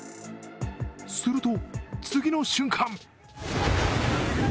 すると、次の瞬間。